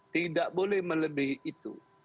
tidak boleh melebihi itu